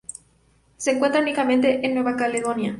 Se encuentra únicamente en Nueva Caledonia.